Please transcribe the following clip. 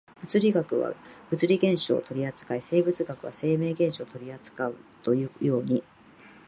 物理学は物理現象を取扱い、生物学は生命現象を取扱うというように、